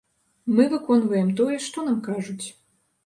Мы выконваем тое, што нам кажуць.